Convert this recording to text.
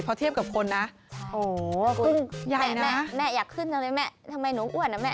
เพราะเทียบกับคนนะโอ้โหคุณใหญ่นะแม่อยากขึ้นจังเลยไหมทำไมหนูอ่วนนะแม่